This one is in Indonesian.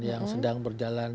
yang sedang berjalan